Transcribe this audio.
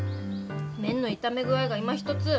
麺の炒め具合がいまひとつ。